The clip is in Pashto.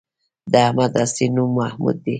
د احمد اصلی نوم محمود دی